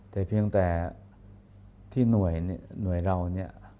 แต่เพียงแต่ที่หน่วยนี้หน่วยเรานี่